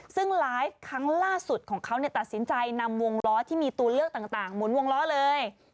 ซึ่งไลฟ์ครั้งล่าสุดของเขาตัดสินใจนำวงล้อที่มีตัวเลือกต่างหมุนวงล้อเลย